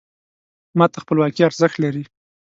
ما ته خپلواکي ارزښت لري .